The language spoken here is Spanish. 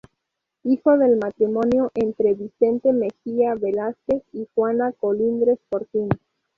Hijo del matrimonio entre Vicente Mejía Velásquez y Juana Colindres Fortín.